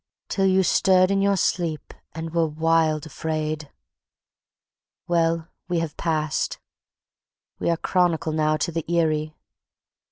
till you stirred in your sleep... and were wild afraid... Well... we have passed... we are chronicle now to the eerie.